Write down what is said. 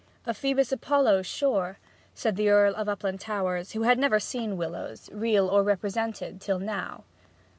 'Phoebus Apollo, sure,' said the Earl of Uplandtowers, who had never seen Willowes, real or represented, till now.